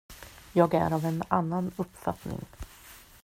Jag är av en annan uppfattning.